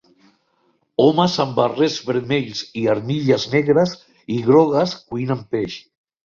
Homes amb barrets vermells i armilles negres i grogues cuinen peix.